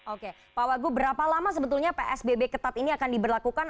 oke pak wagub berapa lama sebetulnya psbb ketat ini akan diberlakukan